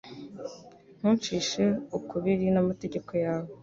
ntuncishe ukubiri n’amategeko yawe